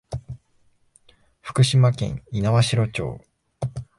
福島県猪苗代町